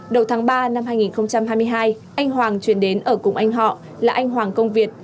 đầu tháng ba năm hai nghìn hai mươi hai anh hoàng chuyển đến ở cùng anh họ là anh hoàng công việt